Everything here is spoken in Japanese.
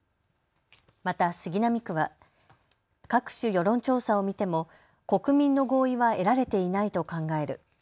また杉並区は各種世論調査を見ても国民の合意は得られていないと考える。